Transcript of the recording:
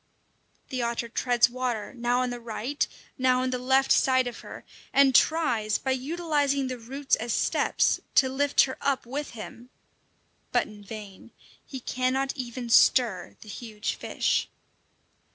The otter treads water now on the right, now on the left side of her, and tries, by utilizing the roots as steps, to lift her up with him. But in vain; he cannot even stir the huge fish!